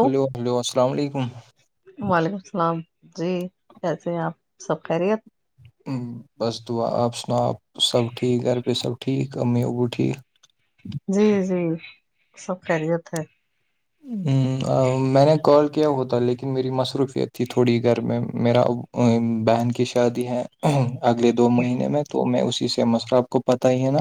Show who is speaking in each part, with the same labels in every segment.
Speaker 1: hello hello السلام علیکم
Speaker 2: وعلیکم السلام جی کیسے ہیں آپ سب خیریت
Speaker 1: ہ بس دعا آپ سناؤ آپ سب ٹھیک گھر پہ سب ٹھیک امی اب بھی ٹھیک
Speaker 2: جی جی سب خیریت ہے
Speaker 1: میں نے کال کیا ہو تھا لیکن میری مصروفیت تھی تھوڑی گھر میں میرا ا بہن کی شادی ہے اگلے دو مہینے میں تو میں اسی مسئلہ آپ کو پتا ہی ہے نا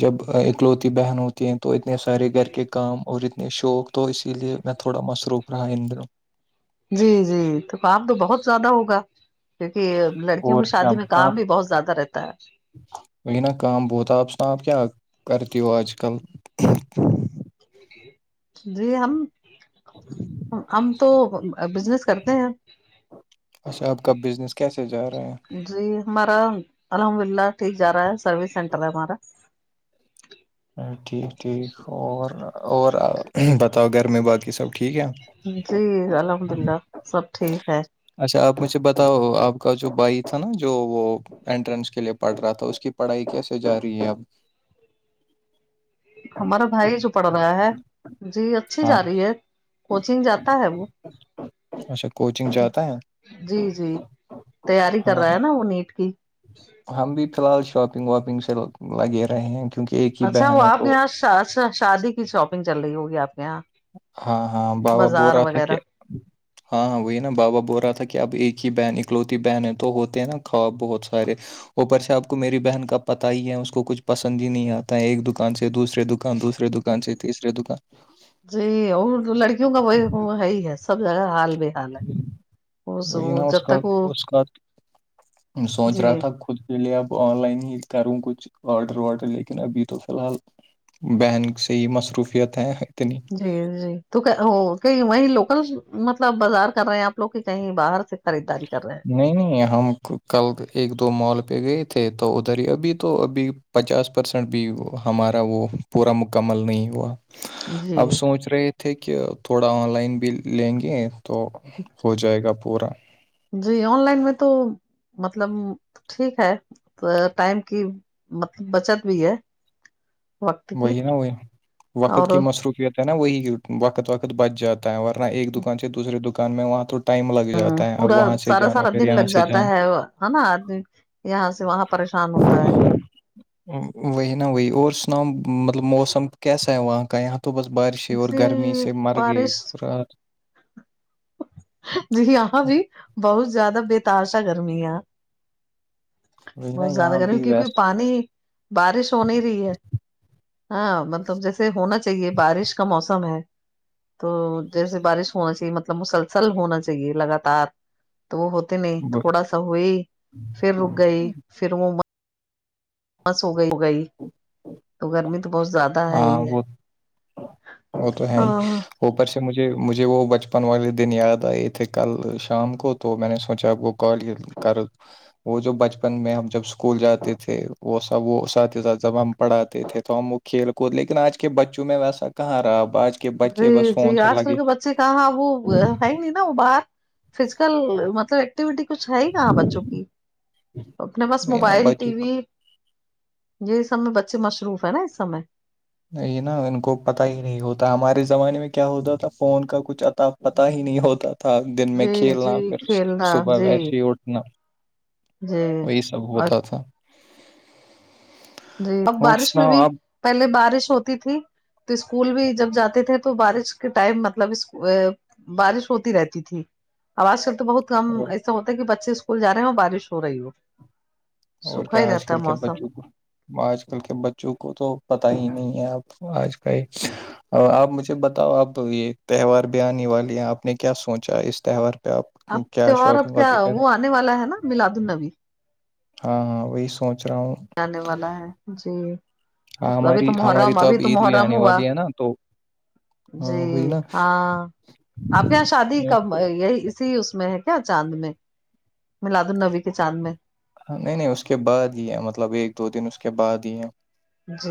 Speaker 1: جب اکلوتی بہن ہوتی کہ تو اتنے سارے گھر کے کام اور اتنے شوق تو اسی لیے میں تھوڑا مصروف رہا انندر
Speaker 2: جی جی تو کام تو بہت زیادہ ہوگا کیونکہ لڑکیوں
Speaker 1: اور
Speaker 2: کی
Speaker 1: کیا
Speaker 2: شادی میں کام بھی بہت زیادہ رہتا ہے
Speaker 1: وہی نا کام بہتا آپ سنا آپ کیا کرتی ہو آج کل
Speaker 2: جی ہم ہم تو بزنس کرتے ہیں
Speaker 1: اچھا آپ کا بزنس کیسے جا رہے ہیں
Speaker 2: جی ہمارا الحمد اللہ ٹھیک جا رہا ہے سروس سینٹر ہے ہمارا
Speaker 1: ا ٹھیک ٹھیک اور اور بتاؤ گھر میں بات کی سب ٹھیک ہے
Speaker 2: جی الحمد اللہ سب ٹھیک ہے
Speaker 1: اچھا آپ مجھے بتاؤ آپ کا جو بھائی تھا نا جو وہ انٹرنس کے لیے پڑھ رہا تھا اس کی پڑھائی کیسے جا رہی ہے اب
Speaker 2: ہمارا بھائی جو پڑھ رہا ہے جی اچھی
Speaker 1: ہاں
Speaker 2: جا رہی ہے کوچنگ جاتا ہے وہ
Speaker 1: اچھا کوچنگ جاتا ہے
Speaker 2: جی جی تیاری کر
Speaker 1: ہاں
Speaker 2: رہا ہے نا وہ نیٹ کی
Speaker 1: ہم بھی فی الحال شاپنگ واپنگ سے لگے رہے ہیں کیونکہ ایک ہی
Speaker 2: اچھا
Speaker 1: بہن
Speaker 2: وہ
Speaker 1: ہے
Speaker 2: آپ کے
Speaker 1: تو
Speaker 2: یہاں شادی کی شاپنگ چل رہی ہوگی آپ کے یہاں
Speaker 1: ہاں ہاں بابا بول
Speaker 2: بازار
Speaker 1: رہا تھا کہ
Speaker 2: وغیرہ
Speaker 1: ہاں ہاں وہی نا بابا بول رہا تھا کہ اب ایک ہی بہن اکلوتی بہن ہے تو ہوتے ہیں نا خواب بہت [unintelligible] اوپر سے آپ کو میری بہن کا پتاہ ہی ہے اس کو کچھ پسند ہی نہیں آتا ہے ایک دکان سے دوسرے دکان دوسرے دکان دکان سے تیسرے دکان
Speaker 2: جی اور لڑکیوں کا وہ ہےی ہے سب جگہ حال میں
Speaker 1: وہی نا اس کا
Speaker 2: تک وہ
Speaker 1: اس کا سوچ
Speaker 2: جی
Speaker 1: رہا تھا خود چلیے اب آن لائن ہی کروں کچھ آڈر واڈر لیکن ابھی تو فی الحال بہن سے ہی مصروفیت ہیں اتنی
Speaker 2: جی جی تو کہ وہیں لوکل مطلب بازار کر رہے ہیں آپ لوگ کہ کہیں باہر سے خریداری کر رہے ہیں
Speaker 1: نہیں نہیں ہم کل ایک دو مال پہ گئے تھے تو ادھر ہی ابھی تو ابھی پچاس پرسینٹ بھی ہمارا وہ پورا مکمل نہیں ہوا
Speaker 2: جی
Speaker 1: اب سوچ رہے تھے کہ تھوڑا آن لائن بھی لیں گے تو ہو جائے گا پورا
Speaker 2: جی آن لائن میں تو مطلب ٹھیک ہے ٹائم کی مطلب بچت بھی ہے وقت کی
Speaker 1: وہی نا وہی وقت
Speaker 2: اور
Speaker 1: کی مصروفیت نا وہی وقت وقت بچ جاتا ہے ورنہ ایک دکان سے دوسرے دکان میں وہاں توٹ
Speaker 2: ہ پورا سارا سارا دن
Speaker 1: یہاں
Speaker 2: لگ
Speaker 1: سے
Speaker 2: جاتا ہے ہے نا آدمی یہاں سے وہاں پریشان ہوتا ہے
Speaker 1: جانا وہی نا وہی اور سناؤ مطلب موسم کیسا ہے وہاں کا یہاں صبحس بارش اور
Speaker 2: جی
Speaker 1: گرمی سے مر گ
Speaker 2: بارش
Speaker 1: رات
Speaker 2: جی یہاں بھی بہت زیادہ بے تار سا گرمی ہے
Speaker 1: وہی نا
Speaker 2: بہت زیادہ
Speaker 1: یہاں
Speaker 2: گرمی
Speaker 1: بھی
Speaker 2: کیونکہ
Speaker 1: ویسٹ
Speaker 2: پانی بارش ہو نہیں رہی ہے ہاں مطلب جیسے ہونا چاہیے بارش کا موسم ہے تو جیسے بارش ہونا چاہیے مطلب مسلسل ہونا چاہیے لگاتار تو وہ ہوتے نہیں
Speaker 1: ب-
Speaker 2: تھوڑا سا ہوئی پھر رک گئی پھر وہ بس ہو گئی ہو گئی تو گرمی تو بہت زیادہ ہے
Speaker 1: ہاں
Speaker 2: ہی ہے
Speaker 1: وہ وہ تو ہے ہی
Speaker 2: ہاں
Speaker 1: اوپر سے مجھے مجھے وہ بچپن والے دن یاد آئے تھے کل شام کو تو میں نے سوچا اب وہ کال یہ کر وہ جو بچپن میں ہم جب اسکول جاتے تھے وہ سب وہ ساتھ ہی ساتھ جب ہم پڑھاتے تھے تو ہم کھیل کود لیکن آج کے بچوں میں ویسا کہاں رہا اب آج کے بچے بس فون سے لگے
Speaker 2: سے کہا وہ ہے نہیں نا وہ باہر فزیکل مطلب ایکٹیویٹی کچھ ہے ہی کہاں بچوں کی اپنے پاس
Speaker 1: وہی نا
Speaker 2: موبائل ٹی
Speaker 1: بچوں
Speaker 2: وی یہ سم میں بچے مصروف ہے نا اس سمے
Speaker 1: نہیں نا ان کو پت ہی نہیں ہوتا ہمارے زمانے میں کیا ہوتا تھا فون کا کچھ اتا پتاہ ہی نہیں ہوتا تھا تھا دن میں
Speaker 2: جی
Speaker 1: کھیلنا
Speaker 2: جی
Speaker 1: پھر
Speaker 2: کھیلنا
Speaker 1: صبح
Speaker 2: جی
Speaker 1: ویسے ہی اٹھ انا
Speaker 2: جی
Speaker 1: وہی سب
Speaker 2: اور
Speaker 1: ہوتا تھا
Speaker 2: جی اب
Speaker 1: اور
Speaker 2: بارش میں
Speaker 1: سناؤ
Speaker 2: بھی
Speaker 1: آپ
Speaker 2: پہلے بارش ہوتی تھی تو اسکول بھی جب جاتے تھے تو بارش کے ٹائم مطلب بارش ہوتی رہتی تھی آوج کل تو بہت کم
Speaker 1: اور
Speaker 2: ایسا ہوتا ہے کہ بچے اسکول جا رہے ہیں اور بارش ہو رہی ہو
Speaker 1: اور
Speaker 2: سوکھا
Speaker 1: کیا
Speaker 2: ہی
Speaker 1: آج
Speaker 2: رہتا ہے
Speaker 1: کل کے
Speaker 2: موسم
Speaker 1: بچوں کو آج کل کے بچوں کو تو پتا ہی نہیں ہے اب آج ک ہی آپ مجھے بتاؤ آپ یہ تہوار بھی آنے والے ہیں آپ نے کیا سوچا اس تہوار پہ آپ
Speaker 2: اب
Speaker 1: کیا
Speaker 2: تیوار اب
Speaker 1: شاپنگ
Speaker 2: کیا
Speaker 1: واپنگ کر
Speaker 2: وہ آنے والا ہے نا میلاد النبی
Speaker 1: ہاں ہاں وہی سوچ رہا ہوں
Speaker 2: آنے والا ہے جی
Speaker 1: ہاں
Speaker 2: اب ابھی
Speaker 1: ہماری
Speaker 2: تو
Speaker 1: ہماری
Speaker 2: محرم ابھی
Speaker 1: اب
Speaker 2: تو
Speaker 1: عید بھی
Speaker 2: محرم
Speaker 1: آنے
Speaker 2: ہوا
Speaker 1: والی ہے نا تو
Speaker 2: جی
Speaker 1: ہاں وہی
Speaker 2: ہاں آپ کے یہاں شادی کب
Speaker 1: نا
Speaker 2: یہ سی اس میں ہے کیا چاند میں ملاد النبی کے چاند میں
Speaker 1: ہاں نہیں نہیں اس کے بعد ہی ہے مطلب ایک دو دن اس کے بعد ہی ہے
Speaker 2: جی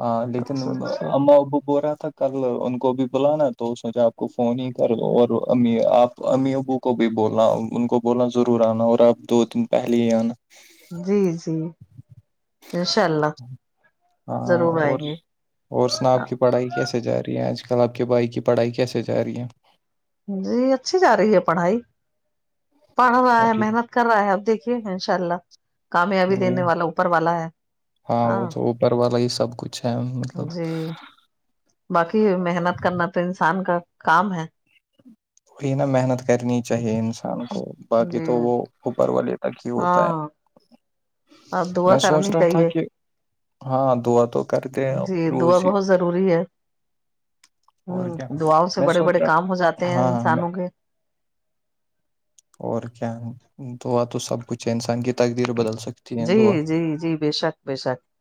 Speaker 1: ہاں لیکن
Speaker 2: اچھا اچھا
Speaker 1: اا ابو بول رہا تھا کل ان کو بھی بلانا تو سجھے آپ کو فون ہی کر اور ا آپ امی اب کو بھی بولا ان کو بوولنا ضرور آنا اور اب دو دن پہلے ہی آنا
Speaker 2: جی جی انشاء اللہ
Speaker 1: ہاں
Speaker 2: ضرور آئیں
Speaker 1: اور
Speaker 2: گے
Speaker 1: اور سنا آپ کی پڑھائی کیسے جا رہی ہے آج کل آپ کے بھائی کی پڑھائی کیسے جا رہی ہے
Speaker 2: جی اچھی ج رہی ہے پڑھائی پڑھ رہا
Speaker 1: ہاں
Speaker 2: ہے
Speaker 1: ٹھیک
Speaker 2: محنت کر رہا ہے اب دیکھیے ان شاء اللہ کامیابی
Speaker 1: وہی
Speaker 2: دینے والا اوپر والا ہے
Speaker 1: ہاں وہ تو اوپر والا ہی سب کچھ چم
Speaker 2: جی باقی محنت کرنا تو انسان کا کام ہے
Speaker 1: کوی نا محنت کرنی چاہیے کان کو باقی
Speaker 2: جی
Speaker 1: تو وہ اوپر والے تک ہی ہوتا ہے
Speaker 2: ہاں اور دعا
Speaker 1: میں سوچ
Speaker 2: کرنی
Speaker 1: رہا تھا
Speaker 2: چاہیے
Speaker 1: کہ ہاں دعا تو کرتے ہیں
Speaker 2: جی دعا
Speaker 1: روز ہی
Speaker 2: بہت ضروری ہے
Speaker 1: اور کیا
Speaker 2: ہ دعاؤں سے
Speaker 1: میں
Speaker 2: بڑے
Speaker 1: سوچ
Speaker 2: بڑے کام ہو جاتے
Speaker 1: رہا
Speaker 2: ہیں
Speaker 1: ہاں ہاں میں
Speaker 2: انسانوں کے
Speaker 1: اور کیا توا تو سب کچھ ہے انسان کی تقدیر بدل سکتی ہے
Speaker 2: جی جی جی بے شک بے شک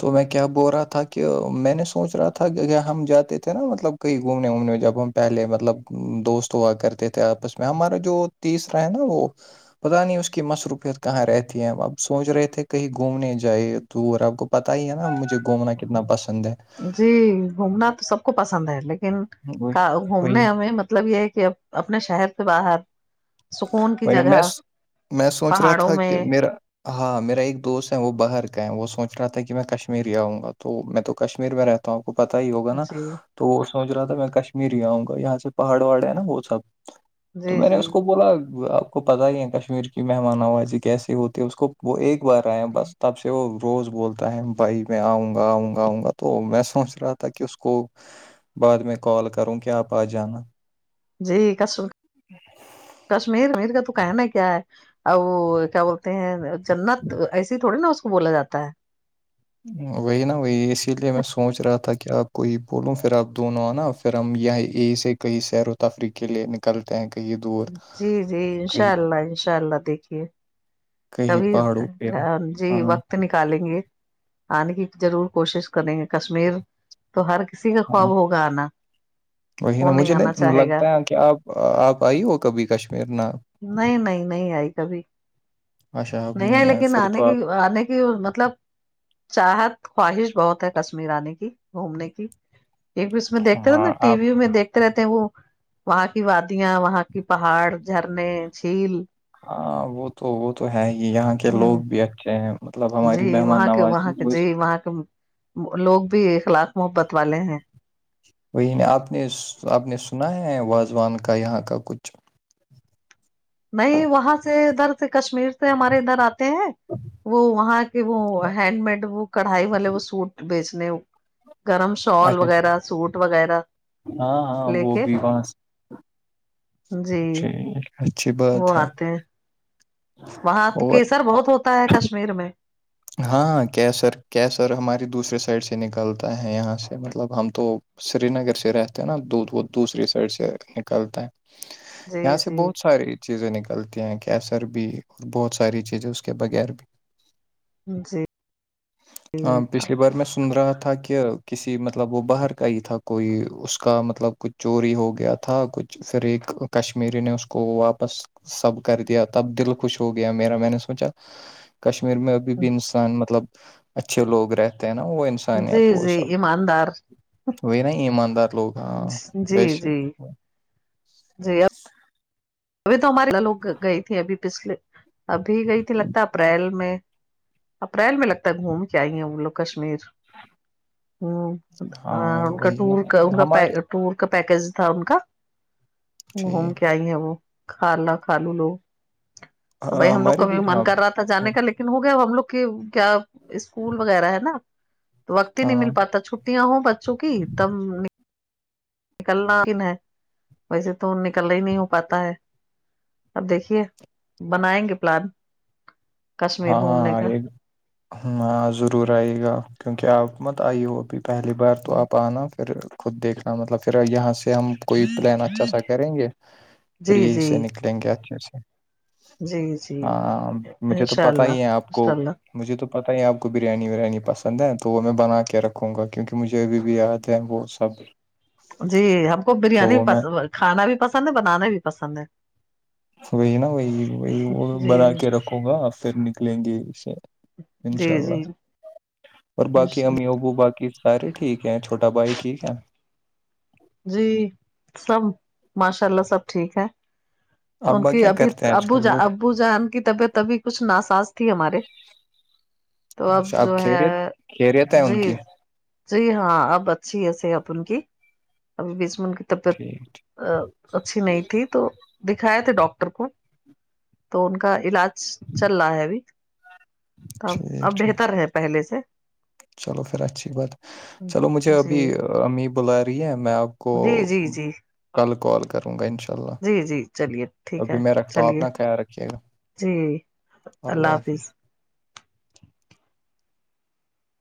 Speaker 1: تو میں کیا بول رہا تھا کہ میں نے سوچ رہا تھا کہ ا ہم جاتے تھے نا مطلب کہیں گھومنے وومنے جب ہم پہلے مطلب دوست ہوا کرتے تھے آپس میں ہمارا جو تیسرا ہے نا وہ پتہ نہیں اس کی مصروفیت کہاں رہتی ہے ہم اب سوچ رہے تھے کہیں گھومنے جائ توٹور آپ کو پتہ ہی ہے نا مجھے گھومنا کتنا پسند ہے
Speaker 2: جی گھومنا تو سب کو پسند ہے لیکن
Speaker 1: وہی
Speaker 2: کا
Speaker 1: وہی
Speaker 2: گھومنے ہمیں مطلب یہ ہے کہ اب اپنے شہر سے باہر سکون کی
Speaker 1: میں
Speaker 2: جگہ
Speaker 1: میں سوچ رہا
Speaker 2: پہاڑوں
Speaker 1: تھا کہ
Speaker 2: میں
Speaker 1: میرا ہاں میرا ایک دوست ہے وہ باہر کا ہے وہ سوچ رہا تھا کہ میں کشمیر ہی آؤں گا تو میں تو کشمیر میں رہتا تا کو پتا ہی ہوگا نا
Speaker 2: جی
Speaker 1: تو وہ سوچ رہا تھا میں کشمیر ہی آؤں گا یہاں سے پہاڑ وہاڑ ہے نا وہ سب
Speaker 2: جی
Speaker 1: تو میں نے
Speaker 2: جی
Speaker 1: اس کو بولا آپ کو پتا ہی ہے کشمیر کی مہمان آوازی کیسی ہوتی ہے اس کو وہ ایک بار آئے ہیں بس تب سے وہ روز بولتا ہے بھائی میں آؤں گا آؤں گا آؤں گا تو میں سوچ رہا تھا کہ اس کو بعد میں کال کروں کہ آپ آ جانا
Speaker 2: جی کش کشمیر امیر کا تو کہنا ہے کیا ہے اب وہ کیا بولتے ہیں جنت ایسیے تھوڑی نا اس کو بولا جاتا ہے
Speaker 1: وہی نا وہی اسی لیے میں سوچ رہا تھا کہ آپ کو یہ بولوں پھر آپ دونوں آنا کرم یہ ای سے کئی شہیر و تفریق لیے نکل کرلتے ہیں کہیں دور
Speaker 2: جی جی
Speaker 1: کہ
Speaker 2: انشاء اللہ انشاء اللہ دیکھیے کبھی جی وقت نکالیں گے آنے کی ضرور کوشش کریں گے کشمیر تو ہر کسی کا خواب
Speaker 1: ہاں
Speaker 2: ہوگا آنا
Speaker 1: وہی نا
Speaker 2: وہ
Speaker 1: مجھے
Speaker 2: آنا
Speaker 1: نہیں
Speaker 2: چاہے گا
Speaker 1: لگتا ہے کہ آپ آپ آئی ہو کبھی کشمیر ن
Speaker 2: نہیں نہیں نہیں آئی کبھی
Speaker 1: اچھا آپ
Speaker 2: نہیں ہے
Speaker 1: آئے
Speaker 2: لیکن
Speaker 1: پھر
Speaker 2: آنے
Speaker 1: تو
Speaker 2: کی
Speaker 1: آپ
Speaker 2: آنے کی مطلب چاہت خواہش بہت ہے کشمیر آنے کی گھومنے کی ایک بھی میں دیک رہا
Speaker 1: ہاں
Speaker 2: ٹی
Speaker 1: آپ
Speaker 2: وی میں دیک رہتے ہیں وہ وہاں کی وادیاں وہاں کی پہاڑ جھرنے جھیل
Speaker 1: ہاں وہ تو وہ تو ہے ہی یہاں کے لوگ
Speaker 2: ہ
Speaker 1: بھی اچھے ہیں مطلب ہماری
Speaker 2: جی
Speaker 1: مہمان
Speaker 2: وہاں کے وہاں
Speaker 1: نوازی
Speaker 2: کے
Speaker 1: وہ
Speaker 2: جی
Speaker 1: اس-
Speaker 2: وہاں کے لوگ بھی اخلاق محبت والے ہیں
Speaker 1: وہی نے آپ نے آپ نے سنا ہے واازوان کا یہاں کا کچھ
Speaker 2: نہیں وہاں سے ادھر سے کشمیر سے ہمارے ادھر آتے ہیں وہ وہاں کے وہ ہینڈ مڈ وہ کڑھائی والے وہ سوٹ بیچنے گرم شال
Speaker 1: اچھا اچھا
Speaker 2: وغیرہ سوٹ وغیرہ
Speaker 1: ہاں ہاں
Speaker 2: لے
Speaker 1: وہ
Speaker 2: کے
Speaker 1: بھی وہاں
Speaker 2: جی
Speaker 1: اچھی بات
Speaker 2: وہ
Speaker 1: ہے
Speaker 2: آتے ہیں وہاں تو
Speaker 1: اور
Speaker 2: کیسر بہت ہوتا ہے کشمیر میں
Speaker 1: ہاں کی سر کیسر ہماراری دوسرے سائڈ سے نکلتا ہے یہاں سے مطلب ہم تو سری نگر سے رہتے ہیں نا دودھ وہ دوسری سائڈ سے نکلتا ہے
Speaker 2: جی
Speaker 1: یہاں سے
Speaker 2: جی
Speaker 1: بہت سارے چیزیں نکلتی ہیں کیسر بھی اور بہت ساری چیزیں اس کے بغیر بھی
Speaker 2: جی
Speaker 1: [inaudible] ہ پچھلی بار میں سن رہا تھا کہ کسی مطلب وہ باہر کا ہی تھا کوئی اس کا مطلب کچھ چوری ہو گیا تھا کچھ پھر ایک کشمیری نے اس کو واپس سب کر دیا تب دل خوش ہو گیا میرا میں نے سوچا کشمیر میں ابھی بھی انسان مطلب اچھے لوگ رہتے ہیں نا وہ
Speaker 2: جی
Speaker 1: انسانیت وہ
Speaker 2: جی
Speaker 1: سب
Speaker 2: ایماندار
Speaker 1: وہی نا ایماندار لوک
Speaker 2: جی جی جی ابھی تو ہمارے لوگ گئی تھی ابھی پچھلے ابھی گئی تھی لگتا اپریل میں اپریل میں لگتا ہے گھوم کے آئی گے وہ لوگ کشمیر ہ
Speaker 1: ہاں
Speaker 2: ان کا
Speaker 1: وہی نا
Speaker 2: ٹور کا ان کا پ
Speaker 1: ہمارے
Speaker 2: ٹور کا پیکج تھا ان کا
Speaker 1: جی
Speaker 2: گھوم کے آئی ہے وہ کھا لا کھا لوں لوگ تو
Speaker 1: ہاں
Speaker 2: بھائی ہم لوگ
Speaker 1: ہمارے
Speaker 2: کبھی
Speaker 1: بھی
Speaker 2: من
Speaker 1: ہاں
Speaker 2: کر رہا تھا جانے کا لیکن ہو گیا ہم لوگ کے کیا اسکول وغیرہ ہے نا تو وقت ہی نہیں
Speaker 1: ہاں
Speaker 2: مل پاتا چھ ں ہوں بچوں کی تب نکلنا کن ہے ویسے تو نکلنا ہی نہیں ہو پاتا ہے اب دیکھیے بنیں گے پلان کشمیر
Speaker 1: ہاں ہاں
Speaker 2: گھومنے
Speaker 1: ہاں
Speaker 2: کا
Speaker 1: ایک ہاں ضرور آئیے گا کیونکہ آپ مت آئیے ہو ابھی پہلی بار تو آپ آنا پھر خود دیکھنا مطلب پھر یہاں سے ہم کوئی پلان اچھا سا کریں گے پھر
Speaker 2: جی
Speaker 1: یہی
Speaker 2: جی
Speaker 1: سے نکلیں گے اچھے سے
Speaker 2: جی جی
Speaker 1: ہاں مجھے تو
Speaker 2: انشاء
Speaker 1: پتا
Speaker 2: اللہ
Speaker 1: ہی ہے آپ کو
Speaker 2: انشاء اللہ
Speaker 1: مجھے تو پتہ ہے آپ کو بریانی ریانی پسند ہے تو وہ میں بنا کے رکھوں گا کیونکہ مجھے ابھی بھی د د وہ سب
Speaker 2: جی ہم کو
Speaker 1: تو
Speaker 2: بریانی
Speaker 1: وہ میں
Speaker 2: کھانا بھی پسند ہے بنانا بھی پسند ہے
Speaker 1: وہی نا وہی وہی وہ بنا
Speaker 2: جی
Speaker 1: کے رکھو گا پھر نکلیں گے اسے
Speaker 2: جی
Speaker 1: انشاء
Speaker 2: جی
Speaker 1: اللہ اور باقی امی ابو باقی سارے ٹھیک ہیں چھوٹا بھائی ٹھیک ہے
Speaker 2: جی سب ماشاء اللہ سب ٹھیک ہے ان
Speaker 1: ابا
Speaker 2: کی
Speaker 1: کیا
Speaker 2: ابھی
Speaker 1: کرتے ہیں آج کل
Speaker 2: ابو ج
Speaker 1: وہ
Speaker 2: ابو جان کی طبیعت ابھی کچھ ناساز تھی ہمارے تو اب
Speaker 1: اچھا آپ
Speaker 2: جو ہے
Speaker 1: خیریت خیریت ہے ان
Speaker 2: جی
Speaker 1: کی
Speaker 2: جی ہاں اب اچھی ہے س اب ان کی ابھی بیچ میں ان کی
Speaker 1: ٹھیک
Speaker 2: طبیعت اچھی نہیں تھی تو دکھایا تھے ڈاکٹر کو تو ان کا علاج چل رہا ہے ابھی اب
Speaker 1: ٹھیک
Speaker 2: اب
Speaker 1: ٹھیک
Speaker 2: بہتر ہے پہلے سے
Speaker 1: چلو پھر اچھی بات چلو مجھے ابھی
Speaker 2: جی
Speaker 1: امی بلا رہی ہے میں آپ کو
Speaker 2: جی جی جی
Speaker 1: کل کال کروں گا انشاء اللہ
Speaker 2: جی جی چلیے ٹھیک
Speaker 1: ابھی
Speaker 2: ہے
Speaker 1: میں رکھتا ہوں
Speaker 2: چلیے
Speaker 1: اپنا خیال رکھیے گا
Speaker 2: جی اللہ حافظ